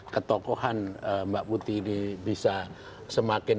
ketokohan mbak putih ini bisa semakin